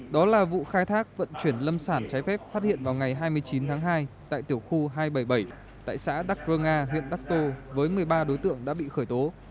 đó là vụ khai thác vận chuyển lâm sản trái phép phát hiện vào ngày hai mươi chín tháng hai tại tiểu khu hai trăm bảy mươi bảy tại xã đắc rơ nga huyện đắc tô với một mươi ba đối tượng đã bị khởi tố